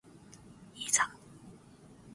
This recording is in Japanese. いさ